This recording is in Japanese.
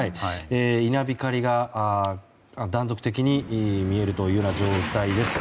稲光が断続的に見えるという状態です。